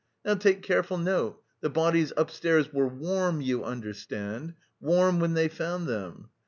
Now take careful note. The bodies upstairs were warm, you understand, warm when they found them!